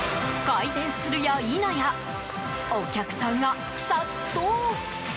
開店するや否やお客さんが殺到。